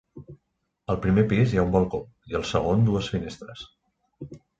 Al primer pis hi ha un balcó i al segon dues finestres.